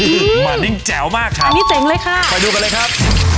สิมาดิ้งแจ๋วมากครับอันนี้เจ๋งเลยค่ะไปดูกันเลยครับ